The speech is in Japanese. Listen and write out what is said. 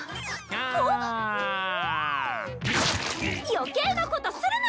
余計なことするな！